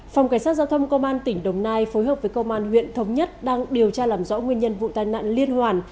phòng cảnh sát giao thông công an tỉnh đồng nai phối hợp với công an huyện thống nhất đang điều tra làm rõ nguyên nhân vụ tai nạn liên hoàn